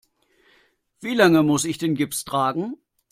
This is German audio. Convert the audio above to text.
Wie lange muss ich den Gips tragen?